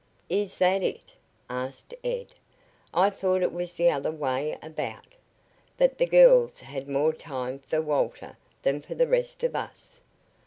"Is that it?" asked Ed. "I thought it was the other way about. That the girls had more time for Walter than for the rest of us."